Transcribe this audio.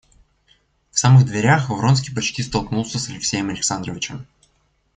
В самых дверях Вронский почти столкнулся с Алексеем Александровичем.